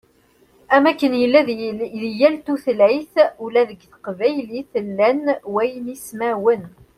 Am wakken yella di yal tutlayt, ula deg teqbaylit llan waynismawen.